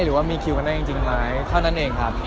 หรือว่ามีคิวกันได้จริงไหมเท่านั้นเองครับ